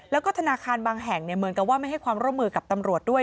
แล้วก็ธนาคารบางแห่งเหมือนกับว่าไม่ให้ความร่วมมือกับตำรวจด้วย